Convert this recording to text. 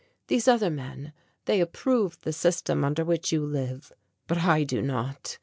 These other men, they approve the system under which you live, but I do not.